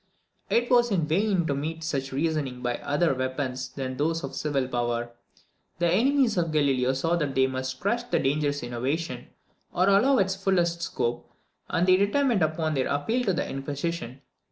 It was in vain to meet such reasoning by any other weapons than those of the civil power. The enemies of Galileo saw that they must either crush the dangerous innovation, or allow it the fullest scope; and they determined upon an appeal to the inquisition.